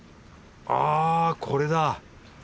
あこれだ！